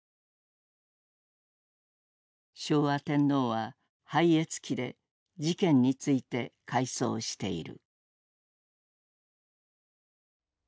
昭和天皇は「拝謁記」で事件について回想している。